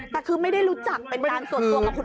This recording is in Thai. แต่คือไม่ได้รู้จักเป็นการส่วนตัวของคุณ